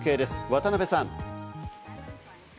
渡邊さん。